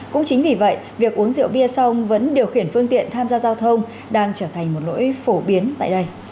cũng chính vì vậy việc uống rượu bia xong vẫn điều khiển phương tiện tham gia giao thông đang trở thành một lỗi phổ biến tại đây